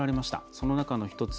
その中の１つ。